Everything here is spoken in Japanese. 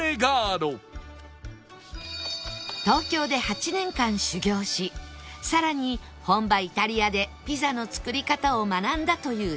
東京で８年間修業しさらに本場イタリアでピザの作り方を学んだというシェフ